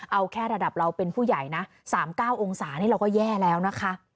เอาแค่ระดับเราเป็นผู้ใหญ่นะ๓๙องศานี่เราก็แย่แล้วนะคะ